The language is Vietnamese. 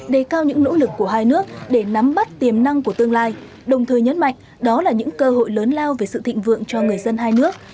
đề cao những nỗ lực của hai nước để nắm bắt tiềm năng của tương lai đồng thời nhấn mạnh đó là những cơ hội lớn lao về sự thịnh vượng cho người dân hai nước